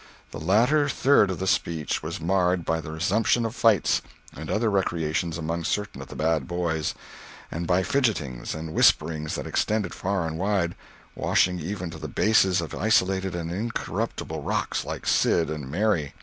The latter third of the speech was marred by the resumption of fights and other recreations among certain of the bad boys, and by fidgetings and whisperings that extended far and wide, washing even to the bases of isolated and incorruptible rocks like Sid and Mary.